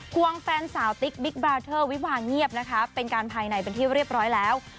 ควงแฟนสาวติ๊กบิ๊กบาร์เทอร์วิวาเงียบนะคะเป็นการภายในเป็นที่เรียบร้อยแล้ว